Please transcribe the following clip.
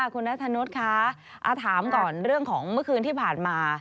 คุณนัทธนุษย์คะถามก่อนเรื่องของเมื่อคืนที่ผ่านมา